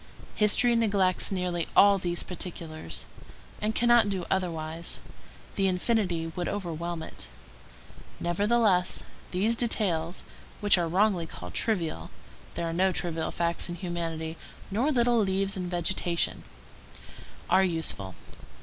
History neglects nearly all these particulars, and cannot do otherwise; the infinity would overwhelm it. Nevertheless, these details, which are wrongly called trivial,—there are no trivial facts in humanity, nor little leaves in vegetation,—are useful.